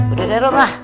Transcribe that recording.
udah deh rum lah